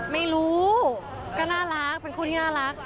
ไม่รู้ก็น่ารักเป็นคู่ที่น่ารัก